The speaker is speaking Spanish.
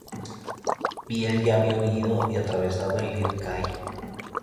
Viel ya había huido y atravesado el Lircay.